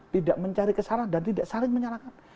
tidak mencari kesalahan dan tidak saling menyalahkan